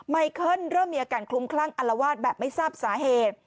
ไมเคิลเริ่มมีอาการคลุมคลั่งอัลวาดแบบไม่ทราบสาเหตุ